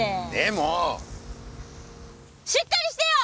しっかりしてよ！